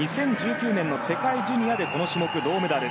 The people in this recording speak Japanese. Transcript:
２０１９年の世界ジュニアでこの種目、銅メダル